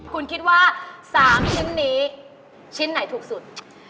คุณคิดว่า๓ชิ้นนี้ชิ้นไหนถูกสุด